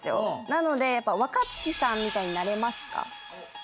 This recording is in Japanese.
なので若槻さんみたいになれますか？